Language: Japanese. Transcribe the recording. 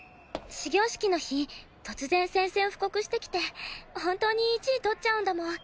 始業式の日突然宣戦布告してきて本当に１位取っちゃうんだもん。